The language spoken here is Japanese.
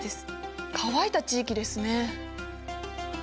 乾いた地域ですね。